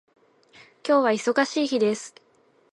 今日は忙しい日です。